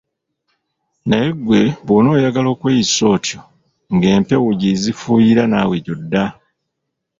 Naye ggwe bw'onooyagala okweyisa otyo ng'empewo gye zifuuyira naawe gy'odda.